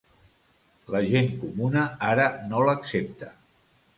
La gent comuna ara no l'accepta.